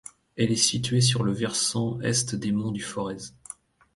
Elle est située sur le versant est des Monts du Forez.